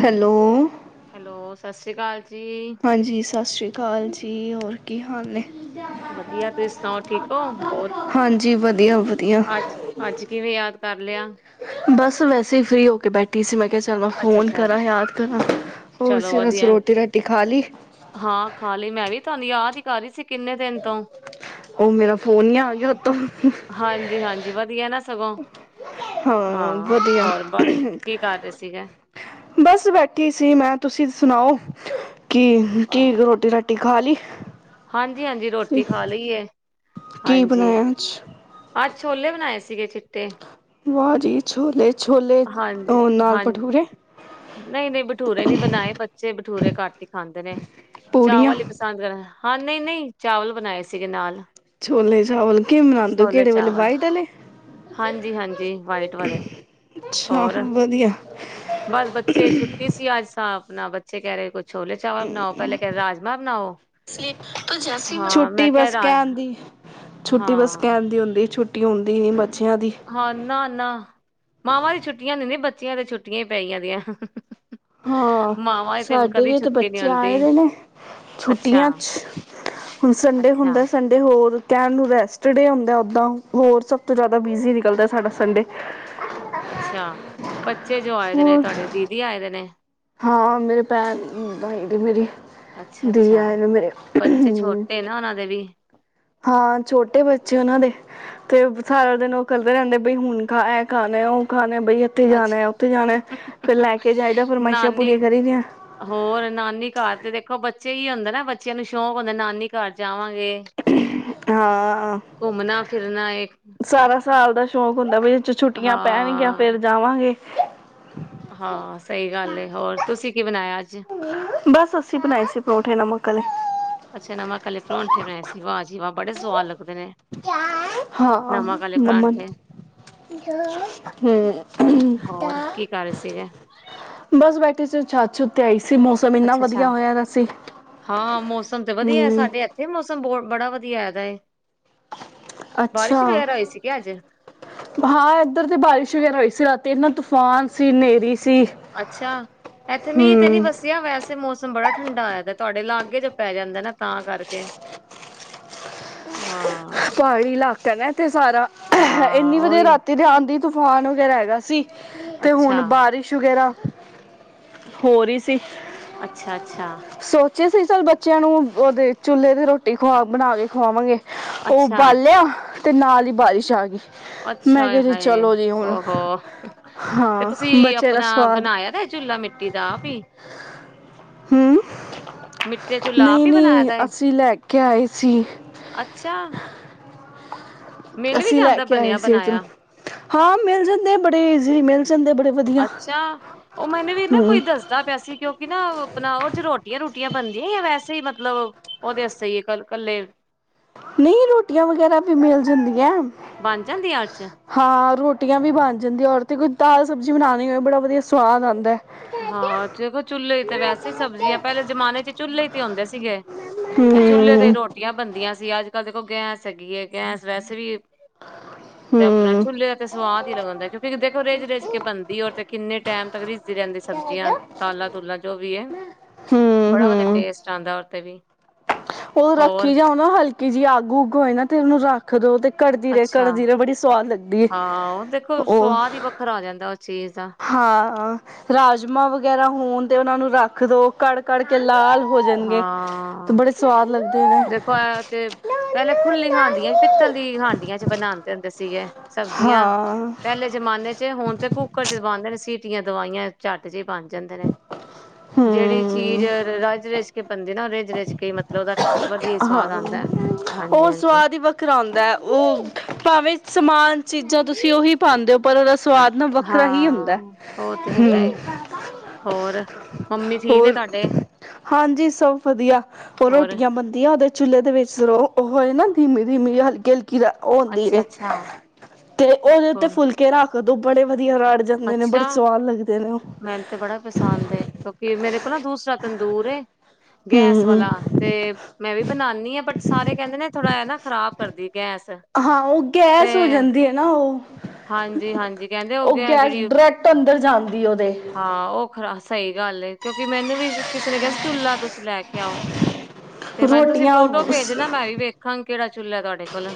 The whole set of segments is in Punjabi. ਹੈਲੋ। ਹੈਲੋ ਸਤਿ ਸ੍ਰੀ ਕਾਲ ਜੀ। ਹਾਂਜੀ ਸਸ਼੍ਰੀ ਕਾਲ ਜੀ ਹੋਰ ਕੀ ਹਾਲ ਨੇ, ਵਧੀਆ, ਤੁਸੀਂ ਸੁਣਾਓ ਠੀਕ ਹੋ? ਬਹੁਤ ਹਾਂਜੀ ਵਧੀਆ ਵਧੀਆ। ਅੱਜ, ਅੱਜ ਕਿਵੇਂ ਯਾਦ ਕਰ ਲਿਆ। ਬਸ ਵੈਸੇ ਹੀ ਫਰੀ ਹੋ ਕੇ ਬੈਠ ਠੀ ਸੀ, ਮੈਂ ਕਿਆ ਚਲੋ, ਅੱਛਾ ਫੋਨ ਅੱਛਾ, ਕਰਾਂ ਯਾਦ ਕਰਾਂ। ਹੋਰ ਚਲੋ ਸੀ ਰਸ ਵਧੀਆ। ਰੋਟੀ ਰੋਟੀ ਖਾ ਲੀ। ਕਾਰ ਰੀ ਸੀ ਕਿੰਨੇ ਦਿਨ ਤੋਂ। ਮੇਰਾ ਫੋਨ ਹੀ ਆ ਗਿਆ ਉਤੋਂ ਹਾਂਜੀ ਹਾਂਜੀ, ਵਧੀਆ ਨਾ ਸਗੋਂ, ਹਾਂ ਹੋਰ ਬਹ। ਕੀ ਸੀਗਾ। ਬਸ ਬੈਠੀ ਸੀ ਮੈਂ, ਤੁਸੀਂ ਸੁਣਾਓ? ਕੀ ਕੀ ਗ ਰੋਟੀ ਰਾਟ ਟੀ ਖਾ ਲੀ। ਹਾਂਜੀ ਹਾਂਜੀ ਰੋਟੀ ਖਾ ਲਈ ਏ। ਕੀ ਹਾਂਜੀ, ਬਣਾਇਆ ਅੱਜ ਅੱਜ ਛੋਲੇ ਬਣਾਏ ਸੀਗੇ, ਚਿੱਟ ਵਾਹ ਜੀ ਛੋਲੇ। ਛੋਲੇ ਹਾਂਜੀ ਉਹ ਨਾਲ ਹਾਂਜੀ, ਭਟੂਰੇ ਨਹੀਂ ਨਹੀਂ ਬਠੂਰੇ ਨੀ ਬਣਾਏ। ਬੱਚੇ ਬਠੂਰੇ ਘੱਟ ਹੀ ਖਾਂਦੇ ਨੇ। ਪੂੜੀਆਂ ਚਾਵਲ ਈ ਪਸੰਦ ਕਰਨ ਹਾਂ ਨਹੀਂ-ਨਹੀਂ ਚਾਵਲ ਬਣਾਏ ਸੀਗੇ ਨਾਲ। ਛੋਲੇ ਚਾਵਲ ਕਿਵੇਂ ਬਣਾਦੇ ਹੋ ਛੋਲੇ ਕਿਹੜੇ ਵਾਲੇ ਚਾਵਲ ਵਾਈਟ ਵਾਲੇ? ਹਾਂਜੀ ਹਾਂਜੀ ਵਾਈਟ ਵਾਲੇ ਹੋਰ, ਵਧੀਆ ਬਸ ਬੱਚੇ ਛੁੱਟੀ ਸੀ ਅੱਜ ਹਾਂ ਆਪਣਾ ਬੱਚੇ ਕਹਿ ਰਹੇ ਕੁਛ ਛੋਲੇ ਚਾਵਲ ਬਣਾਓ ਪਹਿਲਾਂ ਕਹਿ ਰਹੇ ਰਾਜਮਾ ਬਣਾਓ, ਹਾਂ ਮੈਂ ਛੁੱਟੀ ਕਿਹਾ ਬਸ ਰਾਜ ਕਹਿਣ ਦੀ ਛੁੱਟੀ ਬਸ ਹਾਂ ਕਹਿਣ ਦੀ ਹੁੰਦੀ ਛੁੱ ਟੀ ਹੁੰਦੀ ਨਹੀਂ ਹਾਂ ਨਾ ਨਾ, ਮਾਵਾਂ ਦੀ ਛੁੱਟੀਆਂ ਨੇ ਨੇ ਬੱਚਿਆਂ ਤੇ ਛੁੱਟੀਆਂ ਹੀ ਪੈਆਂ ਦੀਆਂ। ਹਾਂ ਮਾਵਾਂ ਦੀ ਤੇ ਸਾਡੇ ਕਦੀ ਵੀ ਤਾਂ ਛੁੱਟੀ ਨੀ ਬੱਚੇ ਹੁੰਦੀ ਆਏ ਨੇ, ਅੱਛਾ ਛੁੱਟੀਆਂ 'ਚ ਹੁਣ ਸੰਡੇ ਅੱਛਾ ਹੁੰਦਾ ਸੰਡੇ ਹੋਰ ਕਹਿਣ ਨੂੰ ਰੈਸਟ ਡੇ ਆਉਂਦਾ ਉੱਦਾਂ ਹੋਰ ਸਭ ਤੋਂ ਜ਼ਿਆਦਾ ਬਿਜ਼ੀ ਨਿਕਲਦਾ ਸਾਡਾ ਸੰਡੇ। ਅੱਛਾ ਬੱਚੇ ਜੋ ਆਏ ਦੇ ਨੇ ਹੋਰ ਤੁਹਾਡੇ ਦੀਦੀ ਆਏ ਦੇ ਨੇ। ਹਾਂ ਮੇਰੇ ਭੈਣ ਆਏ ਨੇ ਮੇਰੇ, ਅੱਛਾ ਦੀ ਅੱਛਾ ਆਏ ਨੇ ਮੇਰੇ। ਬੱਚੇ ਛੋਟੇ ਨਾ ਉਹਨਾਂ ਦੇ ਵੀ ਹਾਂ ਛੋਟੇ ਬੱਚੇ ਉਹਨਾਂ ਦੇ ਤੇ ਸਾਰਾ ਦਿਨ ਉਹ ਕਰਦੇ ਰਹਿੰਦੇ ਬਈ ਹੁਣ ਖਾ ਇਹ ਖਾ ਲੈ ਉਹ ਖਾ ਲੈ ਅੱਛਾ, ਕੇ ਜਾਈਦਾ ਫਰਮਾਇਸ਼ਾਂ ਨਾਨੀ, ਪੂਰੀਆਂ ਕਰੀ ਦੀਆਂ ਹੋਰ ਨਾਨੀ ਘਰ ਤੇ ਦੇਖੋ ਬੱਚੇ ਹੀ ਅੰਦਰ। ਹਨਾਂ ਬੱਚਿਆਂ ਨੂੰ ਸ਼ੌਂਕ ਹੁੰਦਾ ਨਾਨੀ ਘਰ ਜਾਵਾਂਗੇ। ਹਾਂ, ਘੁੰਮਣਾ ਫਿਰਨਾ ਏ। ਸਾਰਾਂ ਸਾਲ ਦਾ ਸ਼ੌਂਕ ਹੁੰਦਾ ਮਈ 'ਚ ਛੁੱਟੀਆਂ ਪੈਣਗੀਆਂ ਫਿਰ ਹਾਂ ਜਾਵਾਂਗੇ। ਹਾਂ ਸਹੀ ਗੱਲ ਏ ਹੋਰ ਤੁਸੀਂ ਕੀ ਬਣਾਇਆ ਅੱਜ? ਬਸ ਅਸੀਂ ਬਣਾਏ ਸੀ ਪਰੌਂਠੇ ਨਮਕ ਆਲੇ। ਅੱਛਾ ਨਮਕ ਆਲੇ ਪਰੌਂਠੇ ਬਣਾਏ ਸੀ ਵਾਹ ਜੀ ਵਾਹ ਬੜੇ ਸੁਆਦ ਲੱਗਦੇ ਨੇ ਹਾਂ ਨਮਕ ਆਲੇ ਮੰਮਾ, ਪਰਾਂਠੇ ਹੂੰ ਹੋਰ ਕੀ ਕਰ ਰਹੇ ਸੀਗੇ ਬਸ ਬੈਠ ਠੇ ਸੀ ਛੱਤ ਛੁੱਟ ਤੇ ਆਈ ਸੀ ਮੌਸਮ ਇੰਨਾ ਅੱਛਾ-ਅੱਛਾ, ਵਧੀਆ ਹੋਇਆ ਦਾ ਸੀ ਹਾਂ ਮੌਸਮ ਤੇ ਵਧੀਆ ਹੂੰ ਸਾਡੇ ਇੱਥੇ ਵੀ ਮੌਸਮ ਬਹੁਤ ਬੜਾ ਵਧੀਆ ਹੈਗਾ ਏ। ਬਾਰਿਸ਼ ਅੱਛਾ, ਵਗੈਰਾ ਹੋਈ ਸੀ ਕਿ ਅੱਜ ਹਾਂ ਇੱਧਰ ਤੇ ਬਾਰਿਸ਼ ਵਗੈਰਾ ਹੋਈ ਸੀ ਰਾ ਤੀ ਨਾ ਤੂਫਾਨ ਸੀ ਨੇਰੀ ਅੱਛਾ, ਇੱਥੇ ਮੀਂਹ ਤਾਂ ਨੀ ਹਮ ਵਸਿਆ ਵੈਸੇ ਮੌਸਮ ਬੜਾ ਠੰਡਾ ਹੋਇਆ ਦਾ। ਤੁਹਾਡੇ ਲਾਗੇ ਤੇ ਪੈ ਜਾਂਦਾ ਨਾ ਤਾਂ ਕਰਕੇ। ਹਾਂ ਕਾ ਹੈਗਾ ਤੇ ਸਾਰਾ ਹਾਂ ਇੰਨੀ ਵਧੀਆ ਉਹੀ ਰਾਤੀ ਦੇ ਆਂਦੀ ਤੂਫਾਨ ਵਗੈਰਾ ਹੈਗਾ ਸੀ ਤੇ ਹੁਣ ਅੱਛਾ ਬਾਰਿਸ਼ ਵਗੈਰਾ ਹੋਰ ਇਸ ਅੱਛਾ ਅੱਛਾ ੇ ਅਸੀਂ ਚ ਬੱਚਿਆਂ ਨੂੰ ਉਹਦੇ ਚੁੱਲ੍ਹੇ ਦੀ ਰੋਟੀ ਖਵਾ ਬਣਾ ਕੇ ਖਵਾਵਾਂਗੇ ਉਹ ਅੱਛਾ ਬਾਲਿਆ ਅਤੇ ਨਾਲ ਹੀ ਬਾਰਿਸ਼ ਆ ਗਈ ਮੈਂ ਅੱਛਾ ਕਿਹਾ ਜੀ ਹੈਾਏ ਚਲੋ ਜੀ ਹੁਣ ਤੇ ਹਾਂ ਤੁਸੀਂ ਬੱਚੇ ਦਾ ਆਪਣਾ ਸਵਾਦ ਬਣਾਇਆ ਦਾ ਚੁਲਾ ਮਿੱਟੀ ਦਾ ਆਪ ਹੀ ਹਮ ਮਿੱਟੀ ਦਾ ਚੁਲਾ ਨਹੀਂ ਆਪ ਹੀ ਬਣਾਇਆ ਨਹੀਂ ਦਾ ਹੈ ਅਸੀਂ ਲੈ ਕੇ ਆਏ ਸੀ ਅੱਛਾ [unintelligible] ਮਿਲ ਵੀ ਅਸੀਂ ਲੈ ਜਾਂਦਾ ਕੇ ਆਏ ਬਣਿਆ ਸਤ ਨੂੰ ਬਣਾਇਆ ਹਾਂ ਮਿਲ ਜਾਂਦੇ ਬੜੇ ਜ਼ੀ ਮਿਲ ਜਾਂਦੇ ਬੜੇ ਵਧੀਆ ਅੱਛਾ ਉਹ ਮੈਨੂੰ ਵੀ ਨਾ ਹਮ ਕੋਈ ਦੱਸਦਾ ਪਿਆ ਸੀ ਕਿਉਂਕਿ ਨਾ ਆਪਣਾ ਉਹ ਚ ਰੋਟੀਆਂ ਰੋਟੀ ੀਆਂ ਬਣਦੀਆਂ ਜਾਂ ਵੈਸੇ ਹੀ ਮਤਲਬ ਉਹਦੇ ਵਸਤੇ ਹੀ ਕ ਇਕੱਲੇ ਨਹੀਂ ਰੋਟੀਆਂ ਵਗੈਰਾ ਵੀ ਮਿਲ ਜਾਂਦੀਆਂ ਬਣ ਜਾਂਦੀਆਂ ਉਹ ਚ ਹਾਂ ਰੋ ਰਟੀਆਂ ਵੀ ਬਣ ਜਾਂਦੀਆਂ ਔਰ ਤਾਂਤੇ ਕੋਈ ਦਾਲ ਸਬਜ਼ੀ ਬਣਾਉਣੀ ਹੋਵੇ ਬੜਾ ਵਧੀਆ ਸਵਾਦ ਆਉਂਦਾ ਹਾਂ ਦੇਖੋ ਚੁੱਲ੍ਹੇ ਤੇ ਵੈਸੇ ਹੀ ਸਬਜ਼ੀਆਂ ਪਹਿਲੇ ਜਮਾਨੇ ਚ ਚੁੱਲ੍ਹੇ ਆਉਂਦੇ ਸੀਗੇ ਤੇ ਚੁੇ ਤੇ ਹਮ ਰੋਟੀਆਂ ਬਣਦੀਆਂ ਸੀ ਅੱਜ ਕੱਲ੍ਹ ਦੇਖੋ ਗੈਸ ਹੈਗੀ ਹੈ ਗੈਸ ਵੈਸੇ ਵੀ ਤੇ ਆਪਣਾ ਹਮ ਚੁਲੇੇ ਦਾ ਤੇ ਸਵਾਦ ਹੀ ਲੱਗਉਂਦਾ ਕਿਉਂਕਿ ਦੇਖੋ ਰਿੱਝ ਰਿੱਜ ਕੇ ਬਣਦੀ ਰ ਤੇ ਕਿੰਨੇ ਟਾਈਮ [unintelligible] ਰਹਿੰਦੀ ਸਬਜ਼ੀਆਂ ਤਾਲਾਂ ਤੂਲਾਂ ਜੋ ਵੀ ਹੈ ਹਮ ਬੜਾ ਵਧੀਆ ਹਮ ਟੇਸਟ ਆਉਂਦਾ ਉਹ ਤੇ ਵੀ ਉਹ ਹੋਰ ਰੱਖੀ ਜਾ ਨਾ ਹਲਕੀ ਜਿਹੀ ਅੱਗ ਉੱਗ ਹੋਏ ਨਾ ਤੇਨੂੰ ਰੱਖ ਦਿੋ ਤੇ ਘਦੀ ਰਹ ਅੱਛਾ ਘਦੀ ਰਹ ਬੜੀ ਸਵਾਦ ਲਗਦੀ ਹਾਂ ਉਹ ਦੇਖੋ ਉਹ ਸਵਾਦ ਹੀ ਵੱਖਰਾ ਆ ਜਾਂਦਾ ਉਸ ਚੀਜ਼ ਦਾ [unintelligible] ਹਾਂ ਰਾਜਮਾਂ ਵਗੈਰਾ ਹੋਣ ਤੇ ਉਹਨਾ ਨੂੰ ਰੱਖ ਦੋ ਕੜ ਕੜ ਕੇ ਲਾਲ ਹੋ ਜਾਣਗੇ ਤੇ ਹਾਂ ਬੜੇ ਸਵਾਦ ਲੱਗਦੇ ਨੇ ਦੇਖੋ ਤੇ ਪਹਿਲੇ ਖੁੱਲੀ ਹਾਂਡੀਆਂ ਚ ਪਿੱਤਲ ਦੀ ਹਾਂਡੀਆਂ ਚ ਬਣਾਉਂਦੇ ਹੁੰਦੇ ਸੀਗੇ ਸਬਜ਼ੀਆਂ ਹਾਂ ਪਹਿਲੇ ਜਮਾਨੇ ਚ ਹੁਣ ਤੇ ਕੂੱਕਰ ਚ ਦਵਾਉਂਦੇ ਨੇ ਸੀ ਚਿੱਟੀਆਂ ਦਵਾਈਆਂ ਚੱਟ ਜ ਬਣ ਜਾਂਦੇ ਨੇ ਜਿਹੜੀ ਚੀਜ਼ ਹਮ ਰਾਜ ਰ ਬਦੀ ਨਾ ਰ ਰਿਜ ਰਜ ਕੇ ਮ ਹਾਂ ਹਾਂਜੀ ਉਹ ਹਾਂਜੀ ਸਵਾਦ ਹੀ ਵੱਖਰਾ ਹਉਂਦਾ ਹੈ ਉਹ ਭਾਵੇਂ ਸਮਾਨ ਚੀਜ਼ਾਂ ਤੁਸੀਂ ਉਹੀ ਪਾਉਦੇ ਹੋ ਪਰ ਸਵਾਦ ਨਾ ਵੱਖਰਾ ਹੀ ਹੁੰਦਾ ਹਾਂ ਉਹ ਤੇ ਹੈਗਾ ਹਮ ਏ ਹੋਰ ਮੰਮੀ ਠੀਕ ਨੇ ਤੁਹਾਡੇ ਹਾਂਜੀ ਸੋ ਵਧੀਆ ਹੋਰ ਰੋਟੀਆਂ ਬੰਦੀਆਂ ਦੇ ਚੁੱਲੇ ਦੇ ਵਿੱਚ ਸਰੋ ਉਹ ਨਾ ਧੀਮੀ ਧੀਮੀ ਹਲਕੀ ਹਲਕੀ ਕੀ ਹੁੰਦੀ ਅੱਛਾ ਅੱਛਾ ਤੇ ਉਹਦੇ ਹੋ ਉੱਤੇ ਫੁਲਕੇ ਰੱਖ ਉਹ ਬੜੇ ਆਂ ਰੜ ਜਾਂਦੇ ਨੇ ਅੱਛਾ ਬੜੇ ਸਆਦ ਲਗਦੇ ਨੇ ਉਹ ਮੈਨੂੰ ਤੇ ਬੜਾ ਪਸੰਦ ਹੈ ਕਿਉਂਕਿ ਨਾ ਦੂਸਰਾ ਤੰਦੂਰੇ ਗੈਸ ਹੂੰ ਵਾਲਾ ਤੇ ਮੈਂ ਵੀ ਬਣਾਉਦੀ ਹਾਂ ਬਟ ਸਾਰੇ ਕਹਿੰਦੇ ਨੇ ਥੋੜਾ ਨਾ। ਖਰਾਬ ਕਰਦੀ। ਗੈਸ ਹਾਂ ਉਹ ਤੇ ਗੈਸ ਹੋ ਜਾਂਦੀ ਹੈ ਨਾ ਉਹ। ਹਾਂਜੀ ਹਾਂਜੀ ਕਹਿੰਦੇ ਹੋ ਉਹ ਗਿਆ ਗੈਸ ਜਿਹੜੀ ਡਰੈਕਟ ਅੰਦਰ ਜਾਂਦੀ ਉਹਦੇ। ਹਾਂ ਉਹ। ਹਾਂ ਸਹੀ ਗੱਲ ਏ ਕਿਉਂਕਿ ਮੈਨੂੰ ਵੀ ਕਿਸੇ ਨੇ ਕਿਹਾ ਸੀ ਕੁੱਲਾ ਤੁਸੀਂ ਲੈ ਕੇ ਆਓ। ਤੇ ਮੈਨੂੰ ਤੁਸੀਂ ਰੋਟੀਆਂ ਫੋਟੋ ਸ ਭੇਜਣਾ ਮੈਂ ਵੀ ਵੇਖਾਂਗੀ ਕਿਹੜਾ ਚੁੱਲ੍ਹਾ ਤੁਹਾਡੇ ਕੋਲ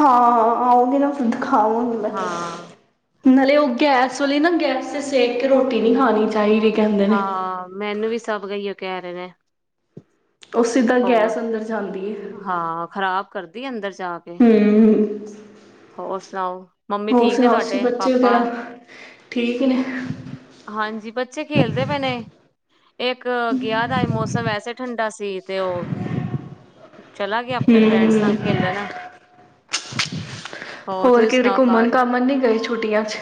ਹਾਂ ਆਓਗੇ ਨਾ ਦਖਾਵਗੀ ਮੈਂ। ਹਾਂ ਨਾਲੇ ਉਹ ਗੈਸ ਵਾਲੀ ਨਾ ਗੈਸ ਤੇ ਸੇਕ ਕੇ ਰੋਟੀ ਨਹੀਂ ਖਾਣੀ ਚਾਹੀਦੀ। ਕਹਿੰਦੇ ਨੇ। ਹਾਂ ਮੈਨੂੰ ਵੀ ਸਭ ਗਈ ਏ। ਕੈ ਰਹੇ ਨੇ ਉਹ ਸਿੱਧਾ ਹੋਰ ਗੈਸ ਅੰਦਰ ਜਾਂਦੀ ਏ। ਦੀ ਅੰਦਰ। ਜਾ ਕੇ ਹੋਰ। ਨਾਂਓ। ਮੰਮੀ ਹੋਰ ਠੀਕ ਨੇ ਸੁਣਾਓ ਤੁਸੀਂ ਤੁਹਾਡੇ ਬੱਚੇ ਪਾਪਾ ਵਗੈਰਾ ਠੀਕ ਨੇ? ਹਾਂਜੀ ਬੱਚੇ ਖੇਲਦੇ ਪਏ ਨੇ। ਇੱਕ ਗਿਆ ਦਾ ਮੌਸਮ ਵੈਸੇ ਠੰਡਾ ਸੀ। ਤੇ ਉਹ। ਚਲਾਗੇ ਆਪਣੇ ਫਰੈਂਡਸ ਨਾਲ ਹੂੰ ਖੇਲਣ ਹੋਰ ਤੁਸੀਂ ਸੁਣਾਓ ਘਰ। ਛੁਟੀਆਂ 'ਚ।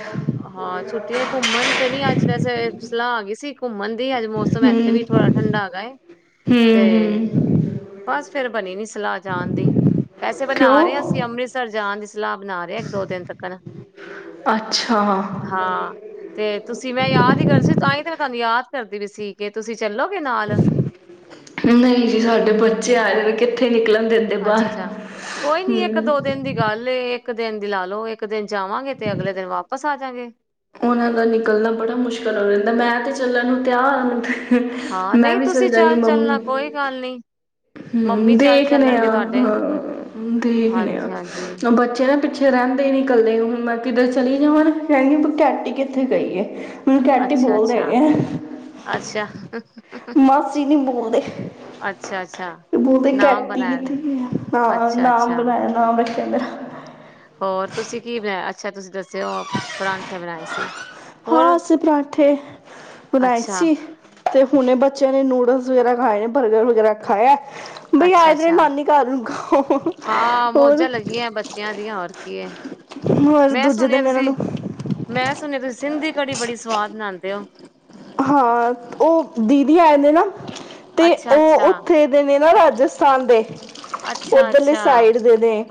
ਹਾਂ ਛੁੱਟੀਆਂ ਘੁੰਮਣ ਤੇ ਨੀ ਅੱਜ ਜੈਸੇ ਸੁਲਾ ਗਈ ਸੀ ਘੁੰਮਨ। ਦੀ ਅੱਜ ਮੌਸਮ ਇੱਥੇ ਵੀ ਥੋੜਾ ਠੰਡਾ ਗਾਏ ਤੇ ਹੂੰ ਹੂੰ ਬਸ ਫੇਰ ਬਣੀ ਨੀ ਸਲਾਹ ਜਾਣ ਦੀ ਵੈਸੇ ਬਣਾ ਰਹੇ ਕਿਉਂ ਅਸੀਂ ਅੰਮ੍ਰਿਤਸਰ ਜਾਣ ਦੀ। ਸਲਾਹ ਬਣਾ ਰਿਹਾ ਇੱਕ ਦੋ ਦਿਨ ਤੱਕ ਨਾ। ਅੱਛਾ ਹਾਂ ਤੇ ਤੁਸੀਂ ਮੈਂ ਯਾਦ ਹੀ ਕਰਿਸੀ ਤਾਂ ਈ। ਫ ਤੁਹਾਨੂੰ ਯਾਦ ਕਰਦੀ ਵੀ ਸੀ ਕਿ ਤੁਸੀਂ। ਚੱਲੋਗੇ ਨਾਲ ਨਹੀਂ ਜੀ ਸਾਡੇ ਬੱਚੇ ਆਏ ਦੇਨੇ ਕਿ। ਅੱਛਾ ਅੱਛਾ ਕੋਈ ਨੀ ਇੱਕ ਹਮ, ਦੋ ਦਿਨ ਦੀ ਗੱਲ ਇੱਕ। ਇੱਕ ਦਿਨ ਦੀ ਲਾ ਲਓ ਇੱਕ ਦਿਨ ਜਾਵਾਂਗੇ ਤੇ ਅਗਲੇ ਦਿਨ ਵਾਪਸ ਆ ਜਾਗੇ। ਉਹਨਾਂ ਦਾ ਨਿਕਲਣਾ ਬੜਾ ਮੁਸ਼ਕਿਲ ਹੋ ਰਹਿੰਦਾ ਮੈਂ ਤੇ ਚੱਲਣ ਨੂੰ ਤਿਆਰ ਆ ਤੇ। ਹਾਂ ਨਹੀਂ ਤੁਸੀਂ ਚੱਲ ਚੱਲਣਾ ਕੋਈ ਗੱਲ ਨਹੀਂ। ਹਮ ਦੇਖਦੇ ਆ ਹ ਦੇਖਣੇ ਹਾਂਜੀ-ਹਾਂਜੀ ਆ ਬੱਚੇ ਨੇ। ਪਿੱਛੇ ਰਹਿੰਦੇ ਹੀ ਨਿ ਕਲੇ ਹੁਣ ਮੈਂ ਕਿਧਰ ਚਲੀ ਜਾਵਾਂ ਨਾ ਕਹਿੰਗੇ ਘੈਂਟੀ ਕਿੱਥੇ ਗਈ ਏ। ਅੱਛਾ, ਅੱਛਾ, ਅੱਛਾ ਮਾਸੀ ਨੀ ਬੋਲਦੇ। ਅੱਛਾ-ਅੱਛਾ ਬੋਲਦੇ ਨਾਮ ਕੇਟੀ ਕਿੱਥੇ ਬਣਾਇਆ ਗਈ ਹਾਂ ਨਾਮ ਅੱਛਾ-ਅੱਛਾ ਬਣਾਇਆ ਨਾਮ ਬਣਾਇਆ [unintelligible] ਹੋਰ ਤੁਸੀਂ ਕੀ ਬਣਾਇਆ [unintelligible] ਤੁਂ ਦੱਸ ਤੇ ਉਹ [unintelligible] ਬਣਾਏ ਸੀ ਹੋਰ ਹਾਂ, ਅਸੀਂ ਪਰਾਂਠੇ ਬਣਾਏ ਅੱਛਾ ਸੀ ਤੇ ਹੁਣੇ ਬੱਚਿ ਬੱਚਿਆਂ ਨੇ ਨੂਡਲਸ ਵਗੈਰਾ ਖਾਏ ਨੇ ਬਰਗਰ ਵਗੈਰਾ ਖਾਇਆ ਬਈ ਆ ਦੇ ਨੇ ਅੱਛਾ-ਅੱਛਾ ਨਾਨੀ ਘਰ ਹੁਣ ਖਾਉ ਹਾਂ ਹੋਰ ਮੌਜਾਂ ਲੱਗੀਆਂ ਬੱਚਿਆਂ ਦੀਆਂ ਹੋਰ ਕੀ, ਹੋਰ ਮੈਂ ਦੂਜੇ ਸੁਣਿਆ ਦਿਨ ਇਹਨਾਂ ਤੁਸੀਂ ਨੂੰ ਮੈਂ ਸੁਣਿਆ ਤੁਸੀਂ ਸਿੰਧੀ ਕੜੀ ਬੜੀ ਸੁਵਾਦ ਬਣਾਉਂਦੇ ਹੋ ਹਾਂ, ਉਹ ਦੀਦੀ ਆਏ ਨੇ ਨਾ ਤੇ ਅੱਛਾ ਅੱਛਾ ਉਹ ਉੱਥੇ ਦੇ ਨੇ ਨਾ ਫਿਰ ਰਾਜਸਥਾਨ ਦੇ ਅੱਛਾ ਉੱਧਰਲੇ ਅੱਛਾ ਸਾਈਡ ਦੇ ਨੇ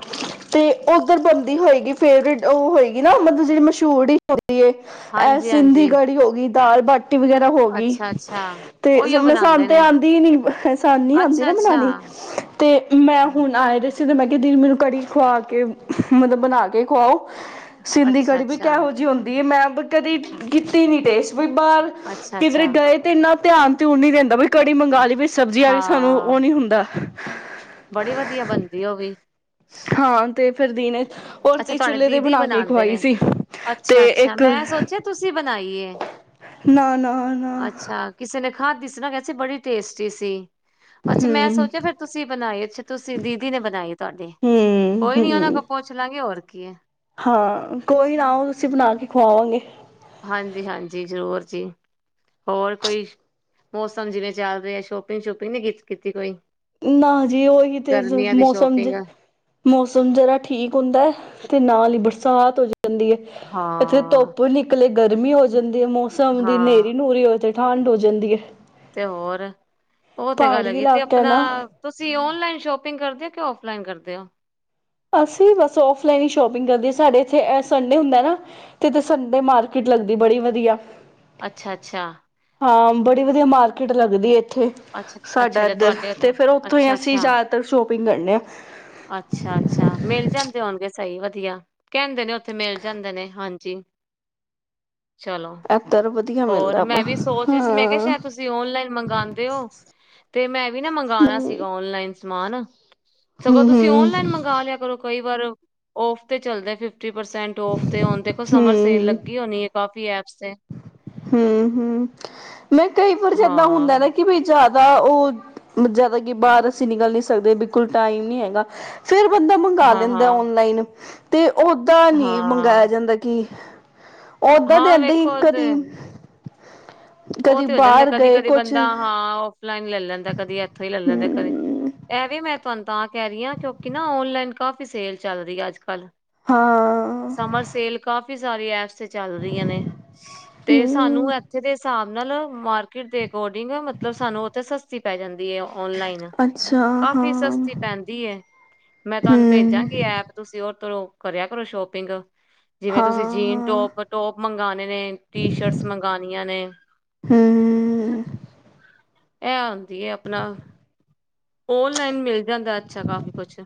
ਤੇ ਉੱਧਰ ਬਣਦੀ ਹੋਏਗੀ। ਫੇਵਰੇਟ ਉਹ ਹੋਏਗੀ ਨਾ ਮਤਲਬ ਜਿਹੜੀ ਮਸ਼ਹੂਰ ਹੀ ਇਹ ਹਾਂਜੀ ਸਿੰਧੀ ਹਾਂਜੀ ਕੜੀ ਹੋ ਗਈ ਦਾਲ-ਬਾਟੀ ਵਗੈਰਾ ਹੋ ਗਈ ਅੱਛਾ ਅੱਛਾ ਤੇ ਉਹੀਓ ਸਾਨੂੰ ਬਣਾਉਂਦੇ ਤੇ ਨੇ ਆਉਂਦੀ ਹੀ ਨੀ ਸਾਨੂੰ ਨਹੀ ਆਉਂਦੀ ਅੱਛਾ ਨਾ ਅੱਛਾ ਬਨਾਉਣੀ ਤੇ ਮੈਂ ਹੁਣ ਆਏ ਤਾਂ ਮੈਂ ਕਿਹਾ ਦੀਦੀ ਮੈਨੂੰ ਕੜੀ ਖੁਵਾ ਕੇ ਮਤਲਬ ਬਣਾ ਕੇ ਖੁਵਾਓ ਸਿੰਧੀ ਅੱਛਾ ਕੜੀ ਵੀ ਅੱਛਾ ਕਿਹੋ ਜਿਹੀ ਹੁੰਦੀ ਹੈ ਮੈਂ ਕਦੇ ਕੀਤੀ ਨਹੀਂ ਟੇਂਸਟ ਵਈ ਬਾਹਰ ਅੱਛਾ ਕਿਧਰ ਅੱਛਾ ਗਏ ਤੇ ਇੰਨਾ ਧਿਆਨ ਤੇ ਉਹਨੇ ਦੇਣਾ ਵੀ ਕੜੀ ਮੰਗਵਾ ਲਈ ਵਈ ਸਬਜ਼ੀ ਆ ਗਈ। ਸਾਨੂੰ ਹਾਂ ਉਹ ਨੀ ਹੁੰਦਾ ਬੜੀ ਵਧੀਆ ਬਣਦੀ ਉਹ ਵੀ ਹਾਂ ਤੇ ਫਿਰ ਦੀ ਨੇ ਅੱਛਾ ਤੁਹਾਡੇ ਦੀਦੀ ਬਣਾਉਦੇਂ ਨੇ ਅੱਛਾ, ਤੇ ਅੱਛਾ ਇੱਕ ਮੈਂ ਸੋਚਿਆ ਤੁਸੀਂ ਬਣਾਈਏ ਨਾ ਨਾ ਨਾ ਅੱਛਾ ਕਿਸੇ ਨੇ ਖਾਧੀ ਸੀ ਨਾ ਕਿਹਦੀ ਸੀ ਬੜੀ ਟੇਸਟੀ ਸੀ ਅੱਛਾ, ਮੈਂ ਹੂੰ ਸੋਚਿਆ ਫਿਰ ਤੁਸੀਂ ਬਣਾਈ ਅੱਛਾ ਤੁਸੀਂ ਦੀਦੀ ਨੇ ਬਣਾਈ ਤੁਹਾਡੀ ਹੂੰ ਕੋਈ ਨੀ ਉਹਨਾਂ ਕੋ ਹੂੰ ਪੁਛ ਗੇ ਹੋਰ ਕੀ ਹੈ ਹਾਂ, ਕੋਈ ਨਾ ਉਹ ਅਸੀਂ ਬਣਾ ਕੇ ਖਵਾਵਾਂਗੇ ਹਾਂਜੀ ਹਾਂਜੀ ਜ਼ਰੂਰ ਜੀ ਹੋਰ ਕੋਈ ਮੌਸਮ ਜਿਵੇਂ ਚੱਲ ਰਿ ਹੈ ਸ਼ੋਪਿੰਗ ਸ਼ੋਪਿੰਗ ਨਹੀਂੀ ਕੀਤੀ ਕੋਈ ਨਾ ਜੀ ਉਹੀ ਤੇ ਗਰਮੀਆਂ ਦੀ ਮੌਸਮ ਸ਼ੋਪਿੰਗ ਮੌਸਮ ਜਰਾ ਠੀਕ ਹੁੰਦਾ ਤੇ ਨਾਲ ਹੀ ਬੜ ਸਾਤ ਹੋ ਜਾ ਜਾਂਦੀ ਹੈ ਇੱਥੇ ਹਾਂ ਧੁੱਪ ਵੀ ਨਿਕਲੇ ਗਰਮੀ ਹੋ ਜਾਂਦੀ ਹੈ ਮੌਸਮ ਦੀ ਹਾਂ ਹਨੇਰੀ ਨੂਰੀ ਹੋ ਜਾਂਦੀ ਐਂਡ ਜਿੰਦਗੀ ਤੇ ਹੋਰ ਉਹ ਤੇ ਗੱਲ ਹੈਗੀ ਤੇ ਇਲਾਕਾ ਆਪਣਾ ਨਾ ਤੁਸੀਂ ਓਨਲਾਈਨ ਸ਼ੋਪਿੰਗ ਕਰਦੇ ਹੋ ਕਿ ਫਲਾਈਨ ਕਰਦੇ ਹੋ ਅਸੀਂ ਬਸ ਫਲਾਈਨ ਹੀ ਸ਼ੋਪਿੰਗ ਕਰਦੇ ਸਾਡੇ ਇਥੇ ਸੰਡੇ ਹੁੰਦਾ ਨਾ ਤੇ ਸੰਡੇ ਮਾਰਕੀਟ ਲਗਦੀ ਬੜੀ ਵਧੀਆ ਅੱਛਾ ਅੱਛਾ ਹਾਂ ਬੜੀ ਵਧੀਆ ਮਾਰਕੀਟ ਲੱਗਦੀ ਥੇ ਉਥੇ ਅੱਛਾ ਅੱਛਾ ਸਾਡਾ ਅੱਛਾ ਇੱਧਰ ਤੁਹਾਡੇ ਉੱਥੇ ਤੇ ਫਿਰ ਉੱਥੋਂ ਹੀ ਅੱਛਾ ਅਸੀਂ ਅੱਛਾ ਜ਼ਿਆਦਾਤਰ ਸ਼ੋਪਿੰਗ ਕਰਨੇ ਆਾਂ ਅੱਛਾ ਅੱਛਾ ਮਿਲ ਜਾਂਦੇ ਉਹੂੰ ਸਹੀ ਵਧੀਆ ਕਹਿੰਦੇ ਨੇ ਉੱਥੇ ਮਿਲ ਜਾਂਦੇ ਨੇ ਹਾਂਜੀ ਚਲੋ ਐ ਤਰ ਬ ਹੋਰ ਮੈਂ ਵੀ ਸੋਚ ਰਹੀ ਸੀ ਮੈਂ ਕਿਹਾ ਸ਼ਾਇਦ ਤੁਸੀਂ ਓਨਲਾਈਨ ਮੰਗਵਾਉਂਦੇ ਹੋ ਤੇ ਮੈਂ ਵੀ ਨਾ ਮੰਗਵਾਉਣਾ ਹਮ ਸੀਗਾ ਓਨਲਾਈਨ ਸਮਾਨ ਸਗੋਂ ਤੁਸੀਂ ਹਮ ਓਨਲਾਈਨ ਮੰਗਵਾ ਲਿਆ ਕਰੋ ਕਈ ਵਾਰ ਔਫ ਤੇ ਚੱਲਦੇ ਫਿਰ ਫਿਫਟੀ ਪਰਸੈਂਟ ਔਫ ਤੇ ਹੋਣ ਦੇਖੋ ਸਮਰ ਸੇਲ ਲੱਗੀ ਹੋਣੀ ਹੈ ਕਾਫੀ ਐ ਹਮ ਹਮ ਮੈਂ ਕਈ ਵਾਰ ਜਿੱਦਾਂ ਹੁੰਦਾ ਨਾ ਹਾਂ ਕਿ ਬ ਜ਼ ਉਹ ਜ਼ਿਆਦਾ ਕਿ ਬਾਹਰ ਅਸੀਂ ਨਿਕਲ ਨੀ ਸਕਦੇ ਬਿਲਕੁਲ ਟਾਈਮ ਨਹੀਂੀ ਹੈਗਾ ਫੇਿਰ ਬੰਦਾ ਮੰਗਵਾ ਹਾਂ ਲੈਂਦਾ ਹਾਂ ਔਨਲਾਈਨ ਅਤੇ ਓਦਾਂ ਨਹੀਂੀ ਮੰਗਵਾਇਆ ਹਾਂ ਜਾਂਦਾ ਕਿ ਓਦਾਂ ਦੇ ਹਾਂ ਇੱਦਾਂ ਹੀ ਵੇਖੋ ਉਹ ਤੇ ਕਦੀ ਉਹ ਕਦੀ ਤੇ ਹੋ ਜਾਂਦਾ ਬਾਹਰ ਕਦੀ ਗਏ ਕਦੀ ਕੁਛ ਬੰਦਾ ਹਾਂ ਔਫਲਾਈਨ ਨ ਲੈ ਲੈਂਦਾ ਕਦੀ ਇੱਥੋਂ ਹੀ ਲੈ ਲੈਂਦਾ ਕਦੇ ਹੂੰ ਇਹ ਇਹ ਮੈਂ ਤੁਹਾਨੂੰ ਤਾਂ ਕਹਿ ਰਹੀ ਹਾਂ ਕਿਉਂਕਿ ਨਾ ਔਨਲਾਈਨ ਕਾਫ਼ੀ ਸੇਲ ਚੱਲ ਰਹੀ ਹੈ ਅੱਜ ਕੱਲ੍ਹ ਹਾਂ ਕਾਫੀ ਸਾਰੀ ਐਪਸ ਚੱਲ ਰਹੀਆਂ ਨੇ ਤੇ ਸਾਨੂੰ ਹੂੰ ਇੱਥੇ ਦੇ ਹਿਸਾਬ ਨਾਲ ਮਾਰਕੀਟ ਦੇ ਅਕੋਰਡਿੰਗ ਮਤਲਬ ਸਾਨੂੰ ਉੱਥੇ ਸਸਤੀ ਪੈ ਜਾਂਦੀ ਓਨਲਾਈਨ ਅੱਛਾ ਕਾਫੀ ਹਾਂ ਸਸਤੀ ਪੈਂਦੀ ਹੈ ਮੈਂ ਤੁਹਾਨੂੰ ਹੂੰ ਭੇਜਾਂਗੀ ਐਪ ਤੁਸੀਂ ਉਹ ਲੋ ਕਰਿਆ ਕਰੋ ਸ਼ੋਪਿੰਗ ਜਿਵੇਂ ਤੁਸੀਂ ਜੀਨ ਹਾਂ-ਹਾਂ ਟੋਪ ਟੋਪ ਮੰਗਵਾਉਣੇ ਨੇ ਟੀ ਸ਼ਰਟਸ ਮੰਗਉਣੀਆਂ ਨੇ ਹਮ ਇਹ ਹੁੰਦੀ ਆਪਣਾ ਓਨਲਾਈਨ ਮਿਲ ਜਾਂਦਾ ਅੱਛਾ ਕਾਫੀ ਕੁਛ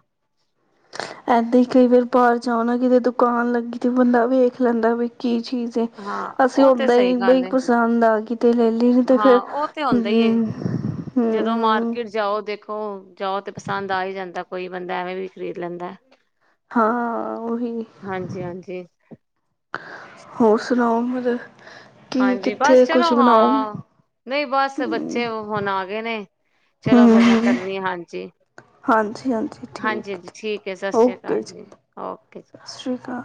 ਇੱਦਾਂ ਹੀ ਕਈ ਵਾਰ ਬਾਹਰ ਜਾਓ ਨਾ ਕਿਤੇ ਦੁਕਾਨ ਲੱਗੀ ਤੇ ਬੰਦਾ ਵੇਖ ਲੈਂਦਾ ਵੀ ਕੀ ਚੀਜ਼ ਹਾਂ ਅਸੀਂ ਉਹ ਤੇ ਓਦਾਂ ਹੀ ਸਹੀ ਬਈ ਗੱਲ ਏ ਪਸੰਦ ਆ ਕਿ ਤੇ ਲੈ ਲੈ ਤੇ ਹਾਂ ਫੇਿਰ ਉਹ ਤੇ ਹੁੰਦਾ ਹੀ ਏ। ਹਮ ਜਦੋਂ ਹਮ ਮਾਰਕੀਟ ਜਾਓ ਦੇਖੋ ਜਾਓ ਤੇ ਪਸੰਦ ਆ ਹੀ ਜਾਂਦਾ ਕੋਈ ਬੰਦਾ ਐਵੇਂ ਵੀ ਖਰੀਦ ਲੈਂਦਾ ਹਾਂ ਉਹੀ ਹਾਂਜੀ ਹਾਂਜੀ ਹੋਰ ਸੁਣਾਓ ਮ ਹਾਂਜੀ ਬਸ ਚਲੋ ਹਾਂ ਨਹੀਂ ਬਸ ਹੂੰ ਬੱਚੇ ਹੁਣ ਆ ਗਏ ਨੇ ਚਲੋ ਫਿਰ ਮੈਂ ਹੂੰ ਕਰਨੀ ਆ ਹਾਂਜੀ ਹਾਂਜੀ ਹਾਂਜੀ ਠੀਕ ਹੈ ਸਤਿ ਸ੍ਰੀ ਅਕਾਲ ਜੀ ਓਕੇ ਜੀ ਸਤਿ ਸ਼੍ਰੀ ਅਕਾਲ